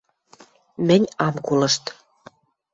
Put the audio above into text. Мӹнь ам колышт...